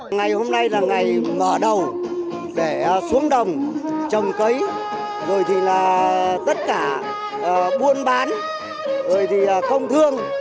ngày hôm nay là ngày mở đầu để xuống đồng trồng cấy rồi thì là tất cả buôn bán rồi thì thông thương